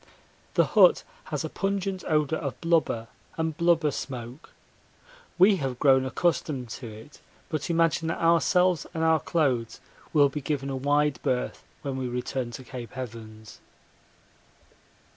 The hut has a pungent odour of blubber and blubber smoke. We have grown accustomed to it, but imagine that ourselves and our clothes will be given a wide berth when we return to Cape Evans.